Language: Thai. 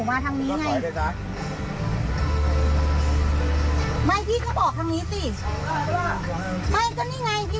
ไม่ก็นี่ไงพี่ก็ออกไปทางนี้สิ